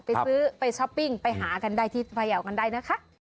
ไปซื้อไปช้อปปิ้งไปหากันได้ที่พยาวกันได้นะคะ